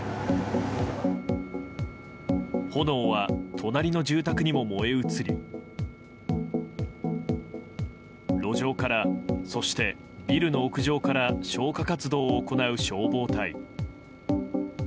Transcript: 炎は隣の住宅にも燃え移り路上から、そしてビルの屋上から消火活動を行う消防隊。